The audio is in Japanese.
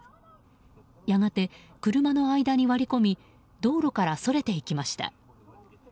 やがて車の間に割り込み道路からそれていきました。